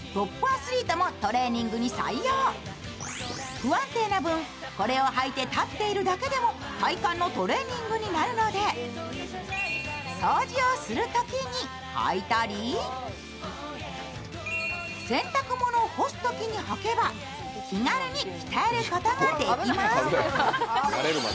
不安定な分、これを履いて立っているだけでも体幹のトレーニングになるので掃除をするときに履いたり、洗濯物を干すときにはけば気軽に鍛えることができます。